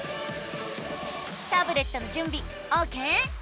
タブレットのじゅんびオーケー？